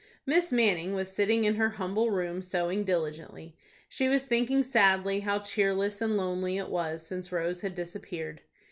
Miss Manning was sitting in her humble room sewing diligently. She was thinking sadly how cheerless and lonely it was since Rose had disappeared.